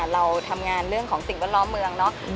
เราทำงานเรื่องของสิ่งแวดล้อมเมืองเนาะ